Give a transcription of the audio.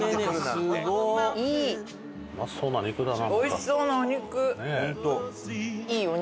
うまそうな肉だな。